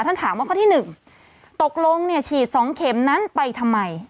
ถามว่าข้อที่๑ตกลงเนี่ยฉีด๒เข็มนั้นไปทำไม